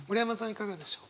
いかがでしょう？